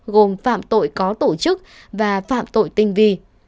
gồm phạm tội có tổ chức và phạm tội tinh vi